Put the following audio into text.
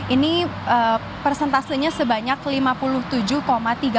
ini persentase yang menunjukkan bahwa jawa tenggara ini menuju ke arah jawa tenggara